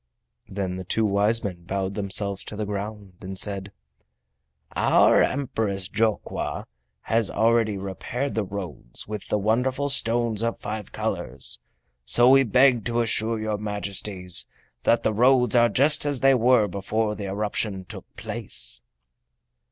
Then the two wise men bowed themselves to the ground and said: "Our Empress Jokwa has already repaired the roads with the wonderful stones of five colors, so we beg to assure your Majesties that the roads are just as they were before the eruption took place."